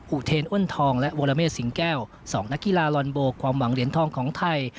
อุเทนอ้นทองและวรเมฆสิงแก้ว๒นักกีฬาลอนโบความหวังเหรียญทองของไทย